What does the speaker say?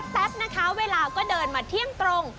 แป๊บนะคะเวลาก็เดินมาเที่ยงตรง